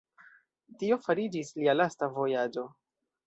Tio fariĝis lia lasta vojaĝo.